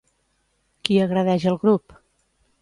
Qui agredeix al grup?